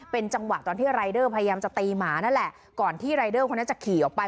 เป็นจังหวะตอนที่รายเดอร์พยายามจะตีหมานั่นแหละก่อนที่รายเดอร์คนนั้นจะขี่ออกไป